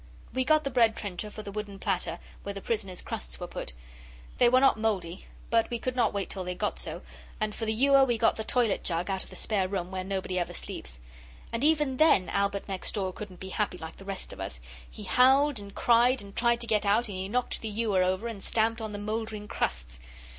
We got the bread trencher for the wooden platter where the prisoner's crusts were put they were not mouldy, but we could not wait till they got so, and for the ewer we got the toilet jug out of the spare room where nobody ever sleeps. And even then Albert next door couldn't be happy like the rest of us. He howled and cried and tried to get out, and he knocked the ewer over and stamped on the mouldering crusts.